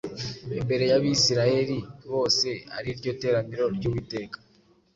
Imbere y’Abisirayeli bose, ari ryo teraniro ry’Uwiteka,